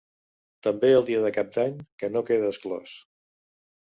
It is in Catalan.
També el dia de cap d’any, que no queda exclòs.